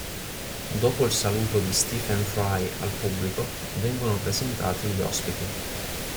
Dopo il saluto di Stephen Fry al pubblico, vengono presentati gli ospiti.